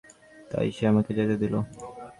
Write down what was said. তাই, সে আমাকে যেতে দিলো।